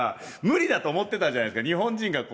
ですけど、なんか無理だと思ってたじゃないですか。